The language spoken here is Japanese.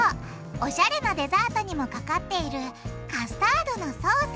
おしゃれなデザートにもかかっているカスタードのソース！